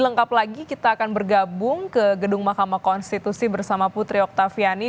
lengkap lagi kita akan bergabung ke gedung mahkamah konstitusi bersama putri oktaviani